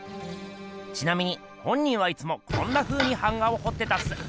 ちなみに本人はいつもこんなふうに版画をほってたっす。